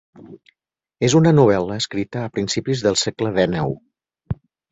És una novel·la escrita a principis del segle dènou.